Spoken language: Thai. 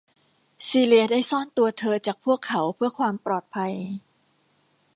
ซีเลียได้ซ่อนตัวเธอจากพวกเขาเพื่อความปลอดภัย